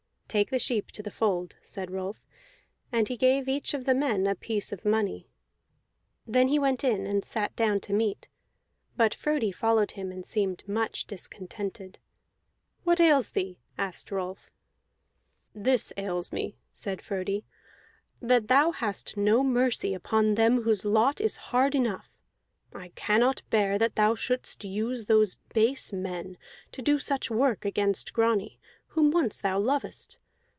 "Take the sheep to the fold," said Rolf, and he gave each of the men a piece of money. Then he went in and sat down to meat; but Frodi followed him and seemed much discontented. "What ails thee?" asked Rolf. "This ails me," said Frodi, "that thou hast no mercy upon them whose lot is hard enough. I cannot bear that thou shouldst use those base men to do such work against Grani, whom once thou lovedst.